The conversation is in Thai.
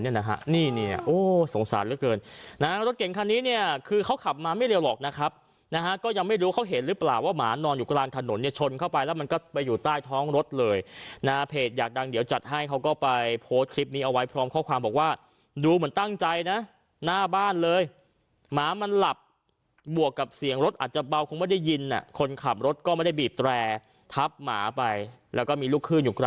นี่นะฮะนี่นี่โอ้โหสงสารเหลือเกินนะฮะรถเก่งคันนี้เนี่ยคือเขาขับมาไม่ได้หรอกนะครับนะฮะก็ยังไม่รู้เขาเห็นหรือเปล่าว่าหมานอนอยู่กลางถนนเนี่ยชนเข้าไปแล้วมันก็ไปอยู่ใต้ท้องรถเลยนะเพจอยากดังเดี๋ยวจัดให้เขาก็ไปโพสต์คลิปนี้เอาไว้พร้อมข้อความบอกว่าดูเหมือนตั้งใจนะหน้าบ้านเลยหมามันหลับบวกก